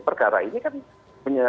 perkara ini kan